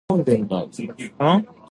因此，这个命题是一个假命题。